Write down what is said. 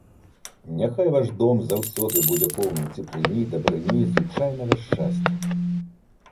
Няхай ваш дом заўсёды будзе поўным цеплыні, дабрыні, звычайнага шчасця.